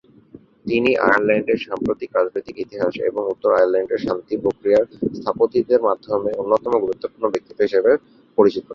তিনি আয়ারল্যান্ডের সাম্প্রতিক রাজনৈতিক ইতিহাস এবং উত্তর আয়ারল্যান্ড শান্তি প্রক্রিয়ার স্থপতিদের মধ্যে অন্যতম গুরুত্বপূর্ণ ব্যক্তিত্ব হিসাবে পরিচিত।